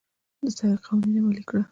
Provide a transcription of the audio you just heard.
د سړک قوانين عملي کړه.